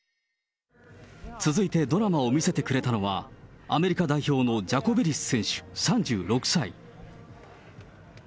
続いてドラマを見せてくれたのは、アメリカ代表のジャコベリス選手３６歳。